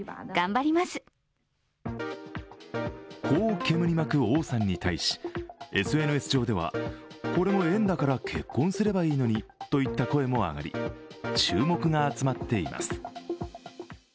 こう煙に巻く王さんに対しＳＮＳ上ではこれも縁だから結婚すればいいのにといった声も上がり注目が集まっています。